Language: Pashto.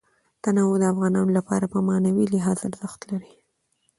تنوع د افغانانو لپاره په معنوي لحاظ ارزښت لري.